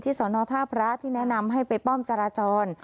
สอนอท่าพระที่แนะนำให้ไปป้อมจราจร